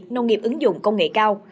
nông nghiệp ứng dụng công nghệ cao